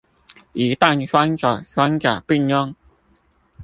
一旦雙手雙腳併用